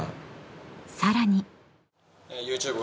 ［さらに］